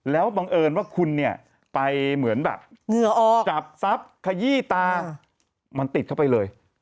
แล้วบังเอิญว่าคุณไปเหมือนแบบจับซับขยี้ตามันติดเข้าไปเลย